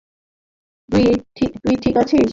তুই ঠিক আছিস।